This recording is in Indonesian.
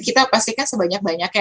kita pastikan sebanyak banyak ya